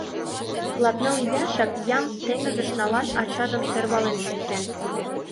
Латныл ияшак Ян теҥызыш налаш ачажым сӧрвален шуктен.